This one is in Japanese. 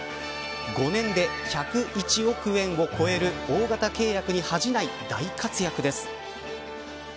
５年で１０１億円を超える大型契約に恥ない大活躍です。